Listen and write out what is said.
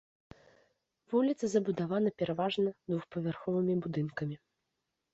Вуліца забудавана пераважна двухпавярховымі будынкамі.